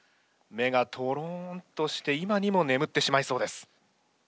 目がとろんとして今にも眠ってしまいそうです。